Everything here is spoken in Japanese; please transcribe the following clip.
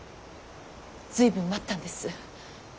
随分待ったんです。